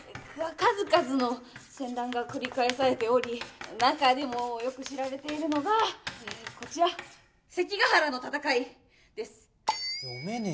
数々の戦乱が繰り返されており中でもよく知られているのがこちら関ヶ原の戦いです・